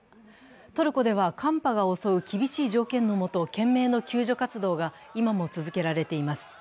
トルコでは寒波が襲う厳しい条件の下、懸命の救助活動が今も続けられています。